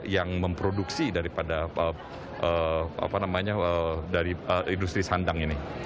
yang memproduksi dari industri sandang ini